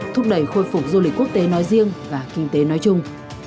thúc đẩy khôi phục du lịch quốc tế nói riêng và kinh tế nói chung